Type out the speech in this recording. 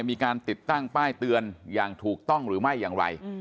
มีการติดตั้งป้ายเตือนอย่างถูกต้องหรือไม่อย่างไร